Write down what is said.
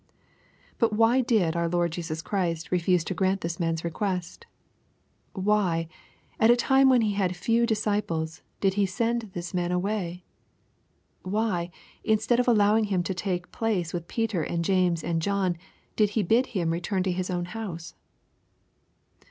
But why did our Lord Jesus Christ refuse to grant this man's request ? Why, at a time when he had few disciples, did He send this man away ? Why, instead of allowing him to take place with Peter and James and John, did He bid him return to his own house